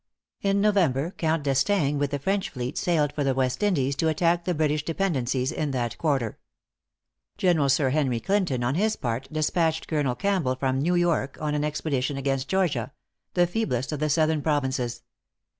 In November, Count D'Estaing, with the French fleet, sailed for the West Indies, to attack the British dependencies in that quarter. General Sir Henry Clinton, on his part, despatched Colonel Campbell from New York, on an expedition against Georgia, the feeblest of the southern provinces.